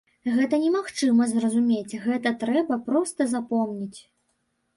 Гэта немагчыма зразумець, гэта трэба проста запомніць.